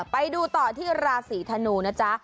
ไปดูต่อที่ราศีธนูนะจ๊ะ